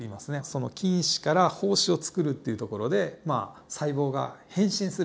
その菌糸から胞子をつくるっていうところでまあ細胞が変身する訳ですね。